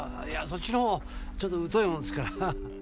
そっちのほうちょっと疎いもんですから。